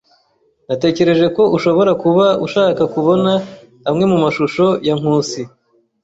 Natekereje ko ushobora kuba ushaka kubona amwe mumashusho ya Nkusi.